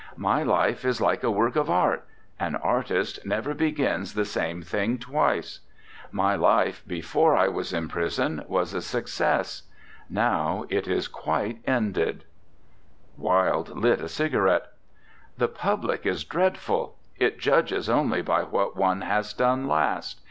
... My life is like a work of art; an artist never begins the same thing twice. My life, before I was in prison, was a success. Now it is quite ended." 50 ANDRE GIDE Wilde lit a cigarette. "The public is dreadful; it judges only by what one has done last.